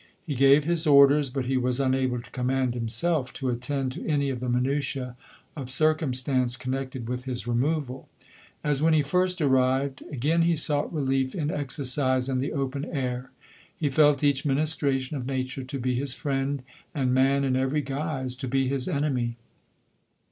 He gave his orders, but he was unable to command himself to attend to any of the minutiae of circumstance connected with his removal. As when he first arrived, LODORE. again he sought relief in exercise and the open air. He felt each ministration of nature to be his friend, and man, in every guise, to be his enemy.